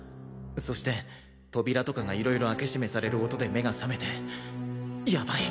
そして扉とかが色々開け閉めされる音で目が覚めてヤバい！